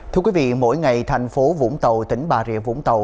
thưa quý vị mỗi ngày thành phố vũng tàu tỉnh bà rịa vũng tàu